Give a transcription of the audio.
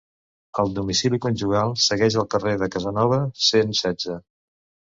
El domicili conjugal segueix al carrer de Casanova, cent setze.